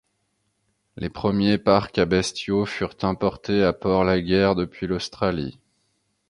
Les premiers parcs à bestiaux furent importés à Port-Laguerre depuis l'Australie.